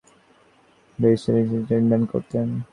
তিনি আমাকে দিয়ে কঠোর পরিশ্রম করাতেন।